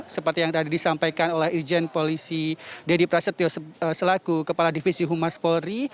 seperti yang tadi disampaikan oleh irjen polisi dedy prasetyo selaku kepala divisi humas polri